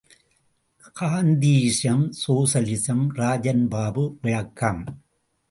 காந்தியிசம் சோசலிசம் ராஜன்பாபு விளக்கம்!